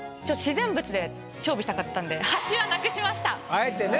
あえてね。